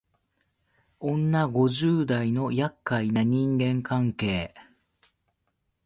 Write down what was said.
女五十代のやっかいな人間関係